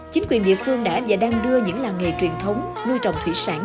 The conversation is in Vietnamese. chính quyền địa phương đã và đang đưa những làng nghề truyền thống nuôi trồng thủy sản